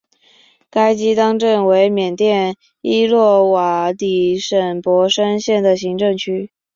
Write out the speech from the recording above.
甘基当镇为缅甸伊洛瓦底省勃生县的行政区。